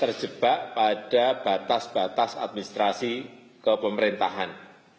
terjebak pada batas batas administrasi kepemerintahan